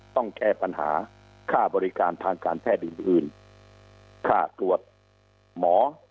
ต้องแก้ปัญหาค่าบริการทางการแพทย์อื่นค่าตรวจหมอ